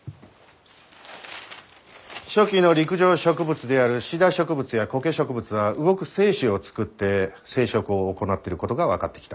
初期の陸上植物であるシダ植物やコケ植物は動く精子を作って生殖を行っていることが分かってきた。